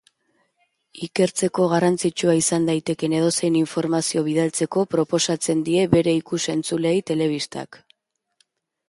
Ikertzeko garrantzitsua izan daitekeen edozein informazio bidaltzeko proposatzen die bere ikus-entzuleei telebistak.